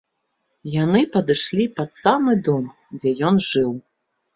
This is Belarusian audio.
Яны падышлі пад самы дом, дзе ён жыў.